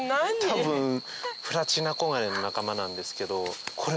多分プラチナコガネの仲間なんですけど。